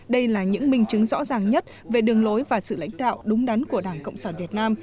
đây là những minh chứng rõ ràng nhất về đường lối và sự lãnh đạo đúng đắn của đảng cộng sản việt nam